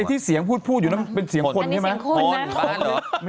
ที่เสียงพุดอยู่มันเป็นเสียงขนใช่ไหม